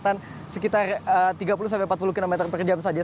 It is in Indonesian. tidak bisa melaju dengan kecepatan sekitar tiga puluh sampai empat puluh km per jam saja